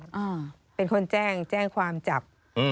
มีเล่นเป็นคนแจ้งตัวความจับ